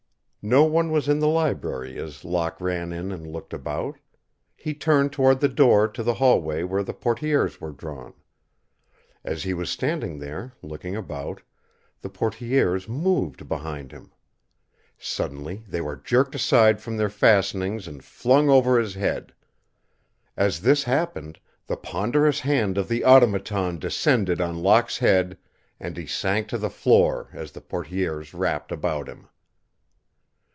No one was in the library as Locke ran in and looked about. He turned toward the door to the hallway where the portières were drawn. As he was standing there, looking about, the portières moved behind him. Suddenly they were jerked aside from their fastenings and flung over his head. As this happened, the ponderous hand of the Automaton descended on Locke's head and he sank to the floor as the portières wrapped about him.